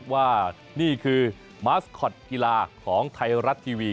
ว่านี่คือมาสคอตกีฬาของไทยรัฐทีวี